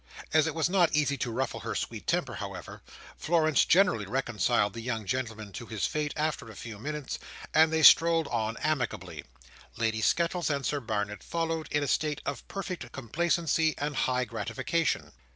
As it was not easy to ruffle her sweet temper, however, Florence generally reconciled the young gentleman to his fate after a few minutes, and they strolled on amicably: Lady Skettles and Sir Barnet following, in a state of perfect complacency and high gratification.